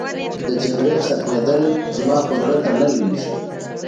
د جګړې ختمېدل، زما خو زړه ته نه لوېږي.